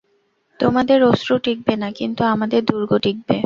তোমাদের অশ্রু টিঁকবে না, কিন্তু আমাদের দুর্গ টিঁকবে।